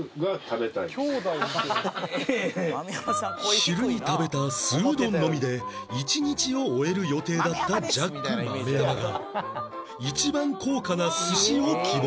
昼に食べた素うどんのみで一日を終える予定だったジャック豆山が一番高価な寿司を希望